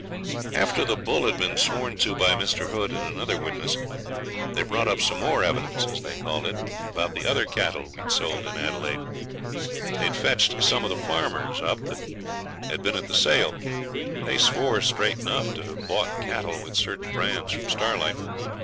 After the bull had been sworn to by Mr. Hood and another witness, they brought up some more evidence, as they called it, about the other cattle we had sold in Adelaide. They had fetched some of the farmers up that had been at the sale. They swore straight enough to having bought cattle with certain brands from Starlight.